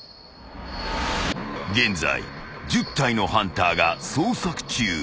［現在１０体のハンターが捜索中］